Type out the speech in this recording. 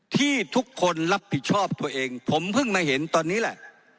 ที่ทุกคนรับผิดชอบตัวเองผมเพิ่งมาเห็นตอนนี้แหละ